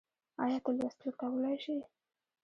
ايا ته لوستل کولی شې؟